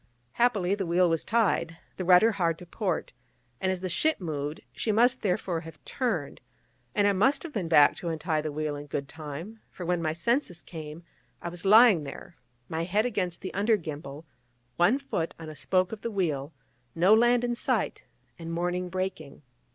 Happily, the wheel was tied, the rudder hard to port, and as the ship moved, she must, therefore, have turned; and I must have been back to untie the wheel in good time, for when my senses came, I was lying there, my head against the under gimbal, one foot on a spoke of the wheel, no land in sight, and morning breaking.